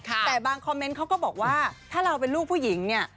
แต่บางคอมเมนต์เขาก็บอกว่าถ้าเราเป็นลูกผู้หญิงเนี่ย